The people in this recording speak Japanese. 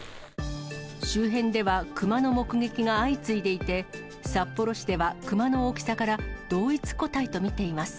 周辺では熊の目撃が相次いでいて、札幌市では熊の大きさから同一個体と見ています。